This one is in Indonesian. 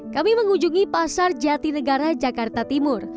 kami mengunjungi pasar jati negara jakarta timur